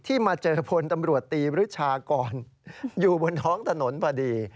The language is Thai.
มาเจอพลตำรวจตีบริชากรอยู่บนท้องถนนพอดี